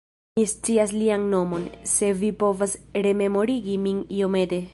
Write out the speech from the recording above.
Mi scias lian nomon! Se vi povas rememorigi min iomete!